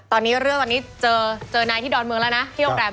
ตอนนี้เรื่องตอนนี้เจอนายที่ดอนเมืองแล้วนะที่โรงแรม